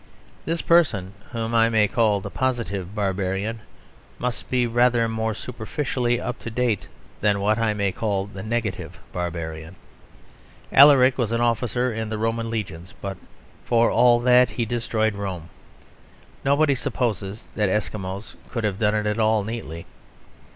This person, whom I may call the Positive Barbarian, must be rather more superficially up to date than what I may call the Negative Barbarian. Alaric was an officer in the Roman legions: but for all that he destroyed Rome. Nobody supposes that Eskimos could have done it at all neatly.